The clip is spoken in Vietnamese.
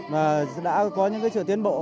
và đã có những sự tiến bộ